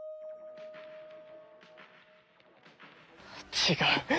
違う！